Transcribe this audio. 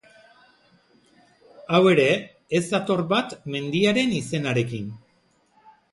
Hau ere, ez dator bat mendiaren izenarekin.